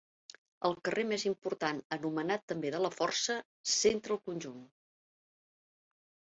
El carrer més important, anomenat també de la Força, centra el conjunt.